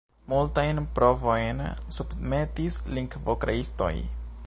Multajn provojn submetis lingvokreistoj.